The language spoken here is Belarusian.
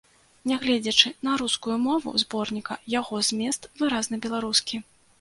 Нягледзячы на рускую мову зборніка, яго змест выразна беларускі.